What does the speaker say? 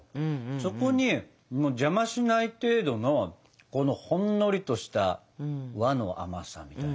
そこに邪魔しない程度のこのほんのりとした和の甘さみたいな。